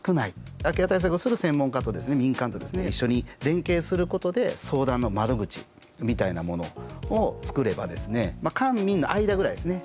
空き家対策をする専門家と民間と一緒に連携することで相談の窓口みたいなものを作れば官民の間ぐらいですね。